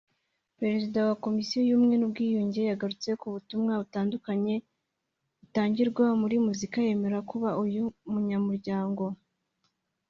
Perezida wa Komisiyo y’ubumwe n’Ubwiyunge yagarutse ku butumwa butandukanye butangirwa muri muzika yemera kuba uyu munyamuryango